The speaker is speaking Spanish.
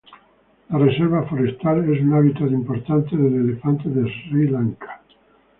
La reserva forestal es un hábitat importante del elefante de Sri Lanka.